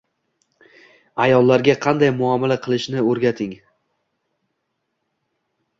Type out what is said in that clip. Ayollarga qanday muomala qilish o'rgating.